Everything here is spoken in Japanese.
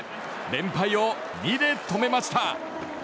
連敗を２で止めました。